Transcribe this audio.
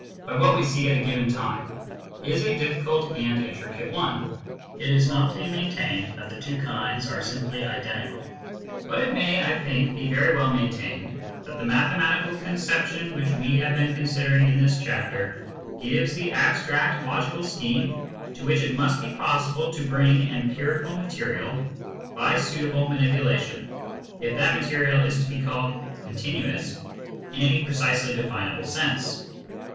by what we see at a given time, is a difficult and intricate one. It is not to be maintained that the two kinds are simply identical, but it may, I think, be very well main tained that the mathematical conception which we have been considering in this chapter gives the abstract logical scheme to which it must be possible to bring empirical material by suitable manipulation, if that material is to be called " continuous " in any precisely definable sense.